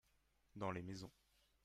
Dans les maisons.